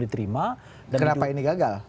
diterima kenapa ini gagal